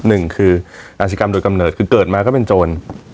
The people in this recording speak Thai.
หนึ่งคืออาชีกรรมโดยกำเนิดคือเกิดมาก็เป็นโจร